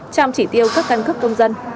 trong chỉ tiêu các căn cấp công dân